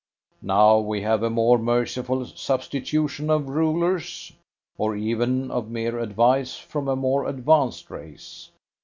Now, we have a more merciful substitution of rulers, or even of mere advice from a more advanced race.